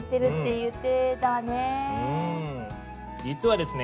実はですね